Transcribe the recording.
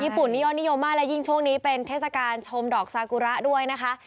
ปุ่นนี่ยอดนิยมมากและยิ่งช่วงนี้เป็นเทศกาลชมดอกซากุระด้วยนะคะ